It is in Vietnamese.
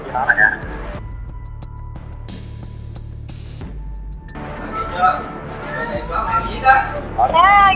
chị bảo lại nha